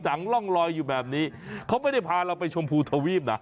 ร่องลอยอยู่แบบนี้เขาไม่ได้พาเราไปชมพูทวีปนะ